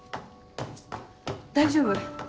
大丈夫？